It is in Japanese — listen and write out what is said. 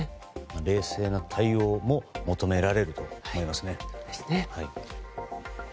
冷静な対応を求められると思いますね。